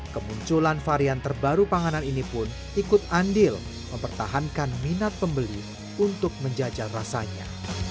kemunculan varian terbaru panganan ini pun ikut andil mempertahankan minat pembeli untuk menjajal rasanya